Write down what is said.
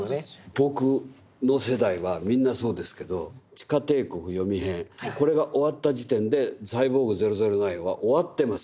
僕の世代はみんなそうですけど「地下帝国“ヨミ”編」これが終わった時点で「サイボーグ００９」は終わってます。